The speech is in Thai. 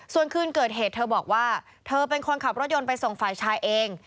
ส่วนคืนเกิดเหตุเธอบอกว่าเธอเป็นคนขับรถยนต์ไปส่งฝ่ายชายเอง